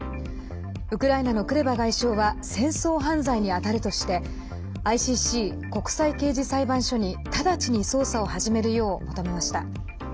ウクライナのクレバ外相は戦争犯罪にあたるとしてＩＣＣ＝国際刑事裁判所に直ちに捜査を始めるよう求めました。